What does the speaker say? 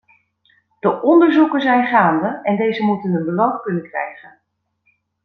De onderzoeken zijn gaande, en deze moeten hun beloop kunnen krijgen.